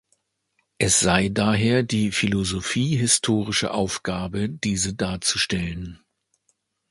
Es sei daher die philosophie-historische Aufgabe, diese darzustellen.